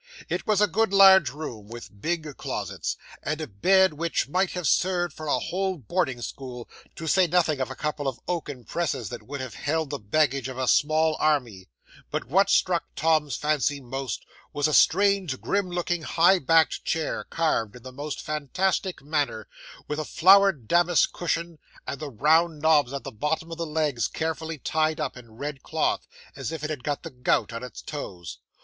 'It was a good large room with big closets, and a bed which might have served for a whole boarding school, to say nothing of a couple of oaken presses that would have held the baggage of a small army; but what struck Tom's fancy most was a strange, grim looking, high backed chair, carved in the most fantastic manner, with a flowered damask cushion, and the round knobs at the bottom of the legs carefully tied up in red cloth, as if it had got the gout in its toes.